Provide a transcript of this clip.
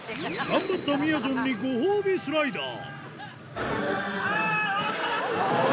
頑張ったみやぞんに、ご褒美カラフル。